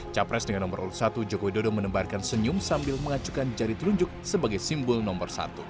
capres dengan nomor urut satu jokowi dodo menebarkan senyum sambil mengacukan jari telunjuk sebagai simbol nomor satu